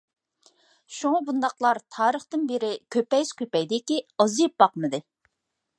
شۇڭا بۇنداقلار تارىختىن بېرى كۆپەيسە كۆپەيدىكى، ئازىيىپ باقمىدى.